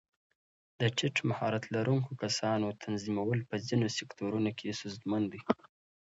د ټیټ مهارت لرونکو کسانو تنظیمول په ځینو سکتورونو کې ستونزمن دي.